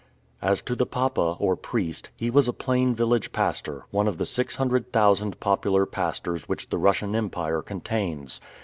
As to the papa, or priest, he was a plain village pastor, one of the six hundred thousand popular pastors which the Russian Empire contains.